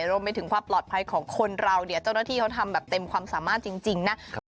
รวมไปถึงความปลอดภัยของคนเราเนี่ยเจ้าหน้าที่เขาทำแบบเต็มความสามารถจริงนะ